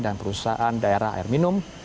dan perusahaan daerah air minum